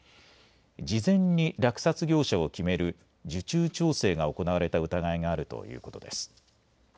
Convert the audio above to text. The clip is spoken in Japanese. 事前に落札業者を決める受注調整が行われた疑いがあるということです。